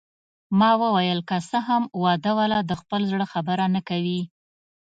ما وویل: که څه هم واده والا د خپل زړه خبره نه کوي.